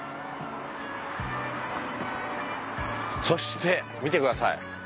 そして見てください。